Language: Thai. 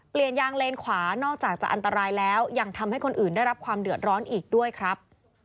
ยางเลนขวานอกจากจะอันตรายแล้วยังทำให้คนอื่นได้รับความเดือดร้อนอีกด้วยครับ